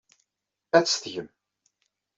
Ad tt-tgem.